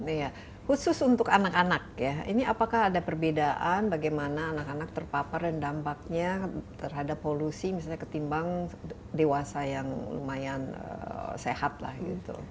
iya khusus untuk anak anak ya ini apakah ada perbedaan bagaimana anak anak terpapar dan dampaknya terhadap polusi misalnya ketimbang dewasa yang lumayan sehat lah gitu